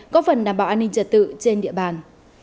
có phần đảm bảo an ninh trật tự trên địa bàn